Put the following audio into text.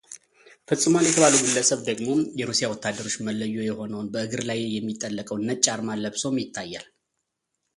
ፈጽሟል የተባለው ግለሰብ ደግሞ የሩሲያ ወታደሮች መለዮ የሆነውን በእግር ላይ የሚጠለቀውን ነጭ አርማ ለብሶም ይታያል።